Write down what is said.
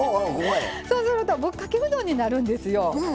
そうするとぶっかけうどんになるんですよ。